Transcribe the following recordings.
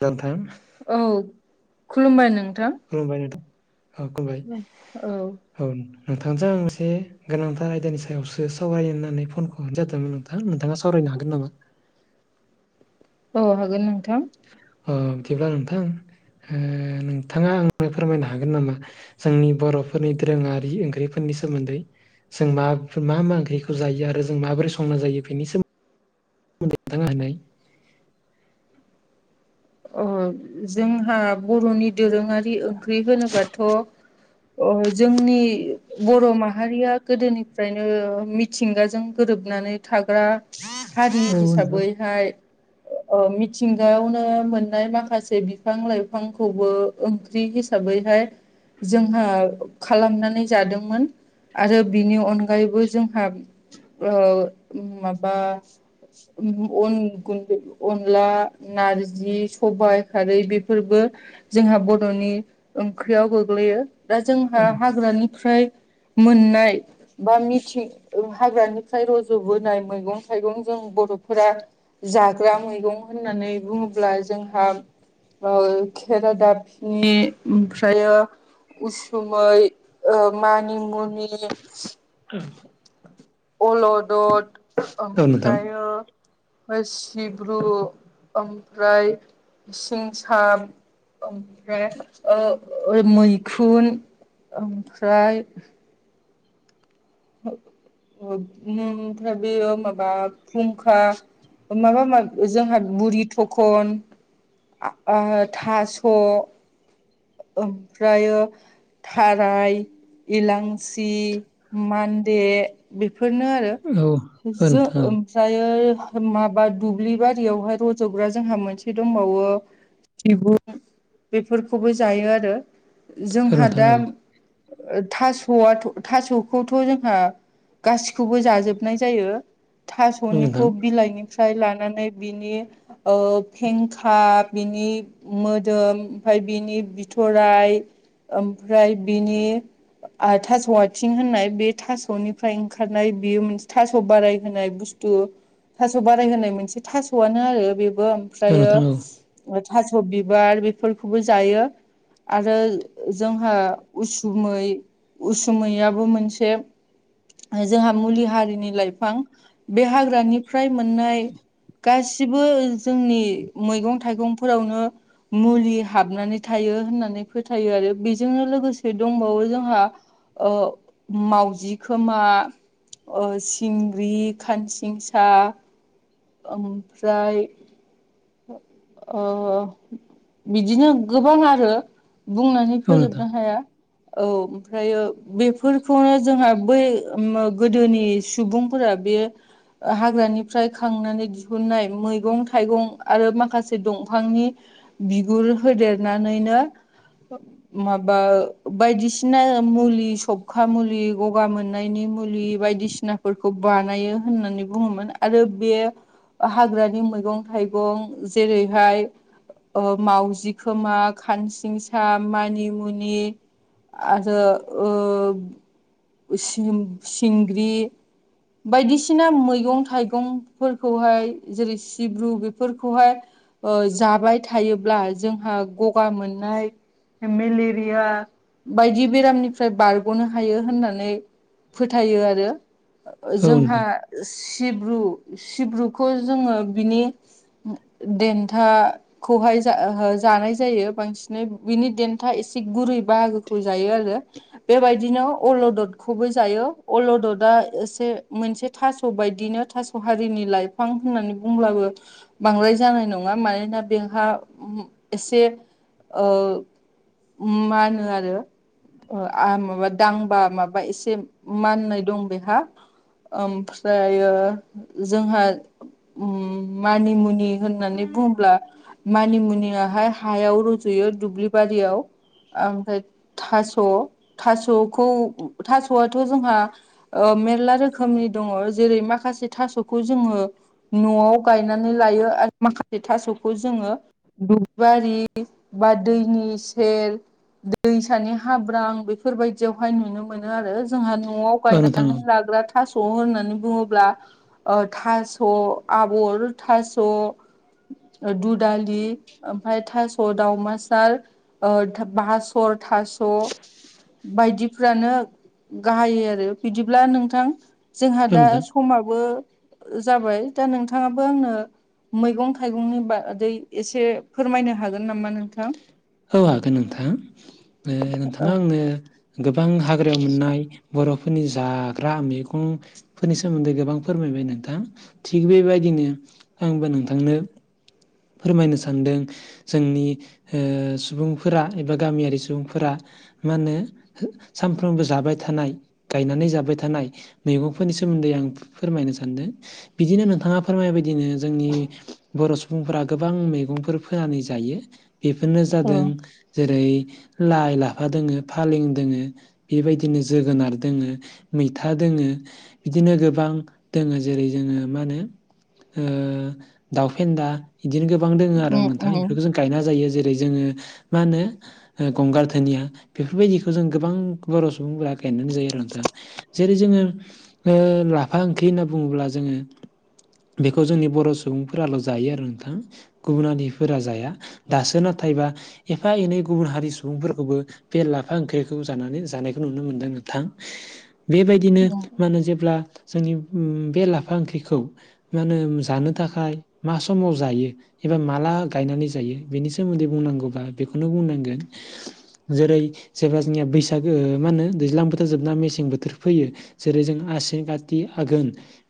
दा नोंथां औ खुलुमबाय नोंथां। खुलुमबाय नोंथां अ खुलुमबाय। औ औ नोंथांजों आं एसे गोनांथार आयदानि सायावसो सावराय होननानै फनखौ हरनाय जादोंमोन नों थां नोंथाङा सावरायनो हागोन नामा? औ हागोन नोंथां। अ बिदिब्ला नोंथां ओ नोंथाङा आंनो फोरमायनो हागोन नामा? जोंनि बर'फोरनि दोरोङारि ओंख्रिफोरनि सोमोन्दै। जों मा मा मा ओंख्रिखौ जायो आरो जों माबोरै संना जायो बेनि सोम [unintelligible] अ जोंहा बर'नि दोरोङारि ओंख्रि होनोबाथ' अ जोंनि बर' माहारिया गोदोनिफ्रायनो मिथिंगाजों गोरोबनानै थाग्रा हारि हिसाबैहाय मिथिंगायावनो ओ मोन माखासे बिफां लाइफांखौबो ओंख्रि हिसाबैहाय जोंहा खालामनानै जादोंमोन। आरो बिनि अनगायैबो जोंहा ओ माबा अन गुन्दै अनला नारजि सबाइ खारै बेफोरबो जोंहा बर'नि ओंख्रियाव गोग्लैयो। दा जोंहा हाग्रानिफ्राय मोननाय बा मिथिं हाग्रानिफ्राय रज'बोनाय मैगं थाइगं जों बर'फोरा जाग्रा मैगं होननानै बुङोब्ला जों हा ओ खेरादाबसिनि ओमफ्रायो उसुमै ओ मानिमुनि औ अलदद नोंथां ओमफ्रायो ओमफाय सिब्रु ओमफ्राय सिंसाम ओमफ्राय ओ मैखुन ओमफ्राय बिदिनो बियो माबा फुंखा माबा माब जोंहा बुरि थखन आं ओ थास' ओमफ्रायो थाराय इलांसि मान्दे बेफोरनो आरो औ जो नोंथां औ फ्रायो माबा दुब्लि बारियावहाय रज'ग्रा जोंहा मोनसे दंबावो। सिबुं बेफोरखौबो जायो आरो। औ जोंहा नोंथां दा औ थास'आ थास' खौथ' जोंहा गासिखौबो जाजोबनाय जायो औ नोंथां थास'निखौ बिलाइनि फ्राय लानानै बिनि ओ फेंखा बिनि मोदोम ओमफ्राय बिनि बिथराय ओमफ्राय बिनि आ थासआइथिं होन नाय बे थास'निफ्राय ओंखारनाय बेयो मोनसे थास' बाराय होनाय बुस्थु। थास' बाराय होनाय मोनसे थास'आनो आरो बेबो औ ओमफ्रायो नोंथां थास' बिबार बेफोरखौबो जायो। आरो जोंहा उसुमै उसुमैया बो मोनसे जोंहा मुलि हारिनि लाइफां बे हाग्रानि फ्राय मोननाय गासिबो जोंनि मैगं थाइगंफोरावनो मुलि हाबनानै थायो होननानै फोथायो आरो बेजोंनो लोगोसे दंबावो जोंहा ओ मावजि खोमा ओ सिंग्रि खानसिंसा ओमफ्राय ओ बिदिनो गोबां आरो। बुंनानै औ नोंथां फोजोबनो हाया औ। फ्रायो बेफोरखौनो जोंहा बै गोदोनि सुबुंफोरा बे ओ हाग्रानिफ्राय खांनानै दिहुननाय मैगं थाइगं आरो माखासे दंफांनि बिगुर होदेरनानैनो माबा बायदिसिना मुलि सबखा मुलि गगा मोननायनि मुलि बायदिसिना फोरखौ बानायो होननानै बुङोमोन आरो बे हाग्रानि मैगं थाइ गं जेरैहाय ओ माउजि खोमा खानसिंसा मानिमुनि आरो ओ सिंग्रि बायदिसिना मैगं थाइगंफोरखौहाय जेरै सिब्रु बेफोरखौहाय ओ जाबाय थायोब्ला जोंहा गगा मोननाय मेलेरिया बायदि बेरामनिफ्राय बारग'नो हायो होननानै फोथायो आरो ओ औ नोंथां औ नोंथां जोंहा सिब्रु सिब्रुखौ जोङो बिनि देन्था खौहाय जा जानाय जायो बांसिनै बिनि देन्था एसे गुरै बाहागोखौ जायो आरो बेबायदिनो अलददखौबो जायो अलददआ एसे मोनसे थास' बायदिनो थास' हारिनि लाइफां होननानै बुंब्लाबो बांद्राय जानाय नङा मानोना बेहा एसे ओ उ मानो आरो ओ आ माबा दांबा माबा एसे माननाय दं बेहा ओमफ्रायो जोंहा मानिमु मुनि होननानै बुङोब्ला मानिमुनियाहाय हायाव रुजुयो दुब्लि बारियाव ओमफ्राय थास'थास'खौ थास' आथ जोंहा ओ मेरला रोखोमनि दङ जेरै माखासे थासखौ जोङो नआव गायनानै लायो आरो माखासे थासखौ जोङो दुबिबारि बा दैनि सेर दैसानि हाब्रां बेफोरबायदियावहाय नुनो मोनो आरो जोंहा नआव औ नोंथां थगायनानै औ लाग्रा थास होननानै बुङोब्ला ओ थास आबर थास दुदालि ओमफ्राय थास दावमासार ओ बासर थास' बायदिफ्रानो गाहाय आरो बिदिब्ला नोंथां जोंहा औ दा नोंथां समाबो जाबाय दा नोंथाङा आंनो मैगं थाइगंनि बादै एसे फोरमायनो हागोन नामा नोंथां? औ हागोन नोंथां ओ औ नोंथाङा आंनो गोबां हाग्रायाव मोननाय बरफोरनि जाग्रा मैगं फोरनि सोमोन्दै गोबां फोरमायबाय नोंथाङा थिग बेबायदिनो आंबो नोंथांनो फोरमायनो सानदों जोंनि ओ सुबुंफोरा एबा गामियारि सुबुंफोरा मा होनो सानफ्रोमबो जाबाय थानाय गायनानै जाबाय थानाय मैगंफोरनि सोमोन्दै आं फोरमायनो सानदों बिदिनो नोंथाङा फोरमायनाय बायदिनो जोंनि बर सुबुंफोरा गोबां मैगंफोर फोनानै जायो बेफोरनो औ जादों जेरै लाइ लाफा दोङो फालें दोङो बेबायदिनो जोगोनार दोङो मैथा दोङो बिदिनो गोबां दङो जेरै जोङो मा होनो ओ दाउ फेन्दा बिदिनो गोबां दोङ आरो उम नोंथां उम बेफोरखौ जों गायना जायो जेरै जोङो मा होनो ओ गंगार धोनिया बेफोरबायदिखौ जों गोबां बर सुबुंफोरा गायनानै जायो आरो नोंथां। जेरै जोङो ओ लाफा ओंख्रि होनना बुङोब्ला जोङो बेखौ जोंनि बर सुबुंफोराल जायो आरो नोंथां गुबुन हारिफोरा जाया दासो नाथायबा एफा एनै गुबुन हारि सुबुंफोरखौबो बे लाफा ओंख्रिखौ जानानै जानायखौ नुनो मोनदों नोंथां बेबायदिनो उम मा होनो जेब्ला जोंनि बे लाफा ओंख्रिखौ मा होनो जानो थाखाय मा समाव जायोबा माला गनानै ज बेनि सोमोन्दै बुंनांगौबा बेखौनो बुंनांगोन जेरै सोरबा जोंनिया बैसागो मा होनो दैज्लां बोथोर जोबना मेसें बोथोर फैयो जेरै जों आसिन काथि आघोन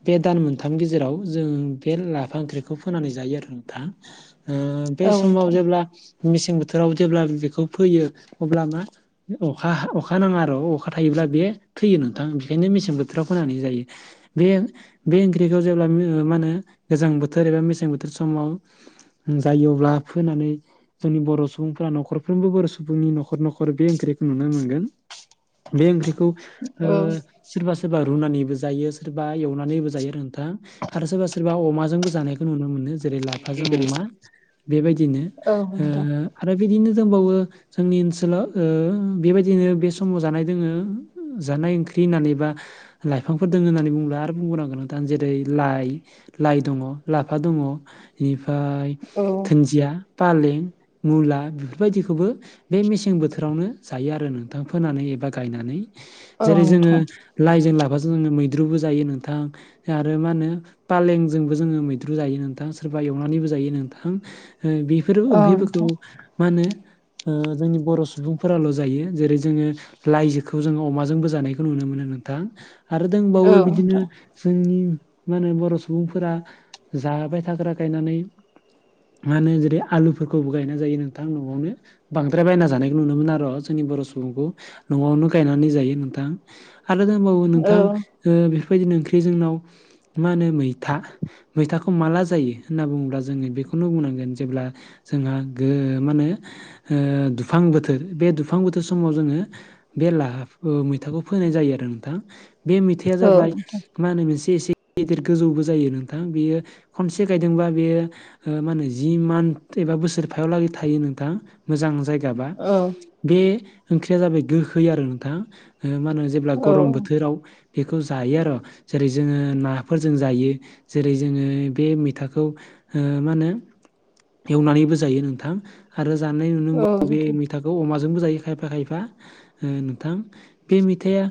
बे दान मोनथामनि गेजेराव जों बे लाफा ओंख्रिखौ फोनानै जायो आरो नोंथां ओ बे औ समाव नोंथां जेब्ला मेसें बोथोराव जेब्ला बेखौ फैयो अब्ला मा अखा अखा नाङा आरो अखा थायोब्ला बेयो थैयो नोंथां बेखायनो मेसें बोथोराव फोनानै जायो बे बे ओंख्रिखौ जेब्ला मा होनो गोजां बोथोर एबा मेसें बोथोर समाव जायोब्ला फोनानै जोंनि बर सुबुंफ्रा नखरफ्रोमबो बर सुबुंनि नखर नखर बे ओंख्रिखौ नुनो मोनगोन बे ओंग्रिखौ ओ औ सोरबा सोरबा रुनानैबो जायो सोरबा एवनानैबो जायो रोंथां आरो सोरबा सोरबा अमाजोंबो जानायखौ नुनो मोनो जेरै लाफाजों अमा बेबायदिनो औ ओ नोंथां आरो बिदिनो दंबावो जोंनि ओनसोलाव ओ बेबायदिनो बे समाव जानाय दोङो जानाय ओंख्रि होननानै बा लाइफांफोर दङ होननानै बुंङोब्ला आरो बुंबोनांगोन नोंथां जेरै लाइ लाइ दङ लाफा दङ इनिफ्राय औ दोन्जिया फालिं, मुला बिफोरबायदिखोबो बे मेसें बोथोरावनो जायो आरो नोंथां फोनानै एबा गायनानै औ जेरै जोङो नोंथां लाइजों लाफाजों जोङो मैद्रुबो जायो नोंथां आरो मा होनो फालेंजोंबो जोङो मैद्रु जायो नोंथा सोरबा एवनानैबो जायो नोंथां ओ बिफोरो औ ओंख्रिफोरखौ नोंथां मा होनो ओ जोंनि बर' सुबुंफोराल' जायो जेरै जोङो लाइजोखौ जों अमाजोंबो जानायखौ नुनो मोनो नोंथां आरो दोंबावो औ बिदिनो नोंथां जोंनि मा होनो बर' सुबुंफोरा जाबाय थाग्रा गायनानै मा होनो जेरै आलुफोरखौबो गायना जायो नोंथां न'आवनो बांद्राय बायना जानायखौ नुनो मोन आर' जोंनि बर' सुबुंखौ न'आवनो गायनानै जायो नोंथां आरो दोंबावो नोंथां ओ बिफोरबायदिनो ओंख्रिजोंनाव मा होनो मैथा मैथाखौ माला जायो होनना बुङोब्ला जोङो बेखौनो बुंनांगोन जेब्ला जोंहा गो मानो ओ दुफां बोथोर बे दुफां बोथोर समाव जोङो बे लाहा मैथाखौ फोनाय जायो आरो नोंथाङा बे मैथ खोया औ जाबाय नोंथां मा होनो मोनसे एसे गेदिर गोजौबो जायो नोंथां बेयो खनसे गायदों बियो ओ मा ओनो जि मादै एबा बोसोर फायाव लागै थायो नोंथां मोजां जाय जाबा औ बे ओंख्रिया जाबाय गोखै आरो नोंथां ओ मा होनो अब्ला औ गरम बोथोराव बेखो जायो आर' जेरै जोङो नाफोरजों जायो जेरै जोङो बे थाखौ ओ मा होनो एवनानैबो जायो नोंथां आरो जानाय औ नुनोबो बे नोंथां मैथाखौ अमाजोंबो जायो खायफा खायफा ओ नोंथां बे मैथाया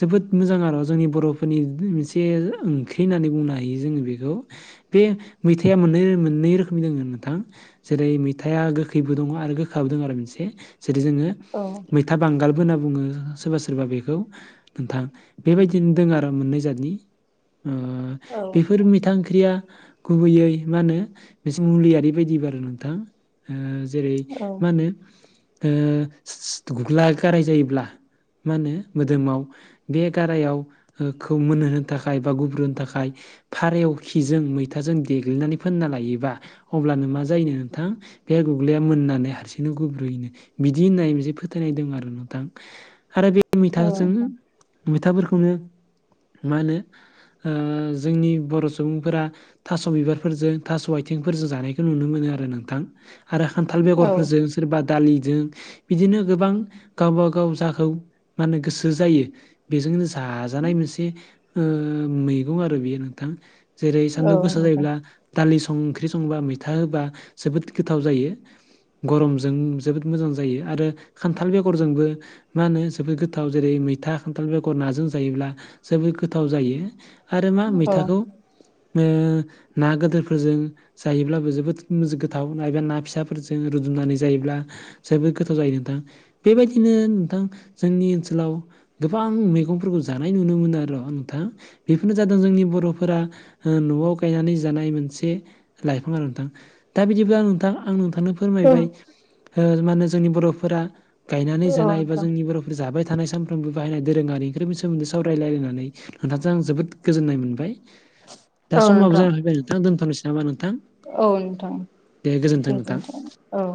जोबोद मोजां आर' जोंनि बर'फोरनि मोनसे ओंख्रि होननानै बुंनो हायो जोङो बेखौ बे मैथाया मोननै मोननै रोखोमनि दोङो नोंथां। जेरै मैथाया गोखैबो दङ आरो गोखाबो दोङो आरो मोनसे जेरै जोङो औ था बांगालबो होनना बुङो सोरबा सोरबा बेखौ नोंथां बेबायदिनो दोङो आर' मोननै जादनि ओ औ नोंथां औ बिफोर नोंथां मिथा ओंख्रिया गुबैयै मा होनो बिस मुलियि बायदि आरो नोंथां ओ जेरै मा होनो ओ गुग्ला गाराय जायोब्ला मा होनो मोदोमाव बे गारायावखौ मोनहोनो थाखाय बा गुब्रु होनो थाखाय फारेव खिजों मैथाजों देग्लिनानै फोनना लायोबा अब्लानो मा जायोनो नोंथां बे गुग्लैया मोननानै हारसिंनो गुब्रुयोनो बिदि होननाय मोनसे फोथायनाय दोङो आरो नोंथां। आरो बे मैथाजों- मैथाफोरखौनो मा होनो ओ जोंनि बर' सुबुंफोरा थास' बिबारफोरजों, थास' आथिंफोरजों जानायखौ नुनो मोनो आरो नोंथां आरो खान्थाल औ औ नोंथां औ नोंथां औ बेगरफोरजों। सोरबा दालिजों बिदिनो गोबां गावबा गाव जाखौ मा होनो गोसो जायो बेजोंनो जाजानाय मोनसे ओ मैगं आरो बियो नोंथां जेरै सानदुं गोस नोंथां दालि सं ओंख्रि संबा मैथा होबा जोबोद गोथाव जायो। गरमजों जोबोद मोजां जायो आरो खान्थाल बेगरजोंबो मा होनो जोबोद गोथाव जेरै मैथा खान्थाल बेगर नाजों जायोब्ला जोबोद गोथाव जायो। आरो मा मैथाखौ ओ ना गोदोरफोरजों जायोब्लाबो जोबोद मो गोथाव बा ना फिसाफोरजों रुदुबनानै जायोब्ला जोबोद गोथाव जायो नोंथां बेबायदिनो नोंथां जोंनि ओनसोलाव गोबां मैगंफोरखौ जानाय नुनो मोनो आर' नोंथां - बेफोरनो जादों जोंनि बर'फोरा ओ न'आव गायनानै जानाय मोनसे लाइफां आरो नोंथां दा बिदिब्ला नोंथां आं नोंथांनो फोरमायबाय ओ मा होनो जोंनि बर'फोरा गायनानै जानाय बा जोंनि बरफो जाबाय थानाय सानफ्रोमबो बाहायनाय दोरोङारि ओंख्रिफोरनि सोमोन्दै सावरायलायलायनानै नोंथाजों आं जोबोद गोजोननाय मोनबाय दा औ समाबो नोंथां जाना फैबाय नोंथां दोनथ'नोसै नामा नोंथां औ नोंथां दे गोजोन्थों नोंथां गोजोनथों औ